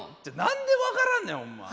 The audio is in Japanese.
何で分からんねんホンマ。